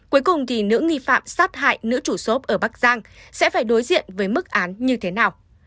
cuối cùng thì nữ nghi phạm sát hại nữ chủ xốp ở bắc giang sẽ phải đối diện với mức án như thế nào